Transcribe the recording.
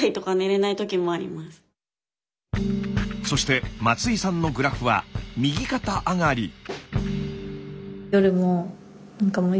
そして松井さんのグラフは右肩上がり。